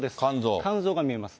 肝臓が見えます。